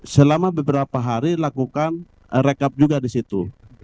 selama beberapa hari lakukan rekap juga di situ